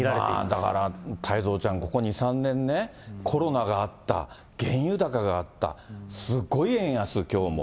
だから、太蔵ちゃん、ここ２、３年ね、コロナがあった、原油高があった、すごい円安、きょうも。